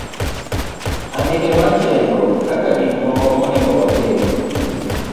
Andike mar chenro kaka gik moko monego otim.